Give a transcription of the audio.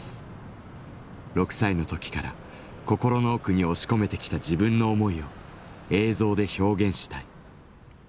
６歳の時から心の奥に押し込めてきた自分の思いを映像で表現したい。